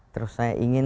terus saya ingin